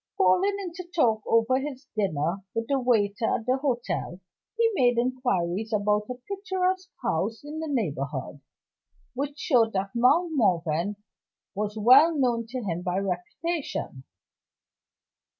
Falling into talk over his dinner with the waiter at the hotel, he made inquiries about a picturesque house in the neighborhood, which showed that Mount Morven was well known to him by reputation.